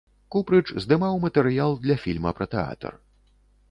Купрыч здымаў матэрыял для фільма пра тэатр.